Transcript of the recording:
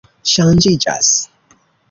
ŝanĝiĝas